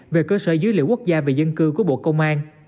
về cơ sở dữ liệu quốc gia về dân cư của bộ công an